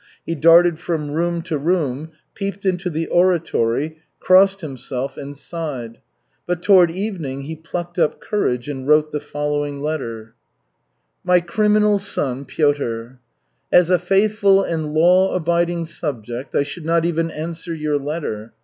He darted from room to room, peeped into the oratory, crossed himself, and sighed. But toward evening he plucked up courage and wrote the following letter: /# "My criminal son Piotr: "As a faithful and law abiding subject I should not even answer your letter.